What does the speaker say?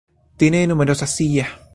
Tiene numerosas semillas.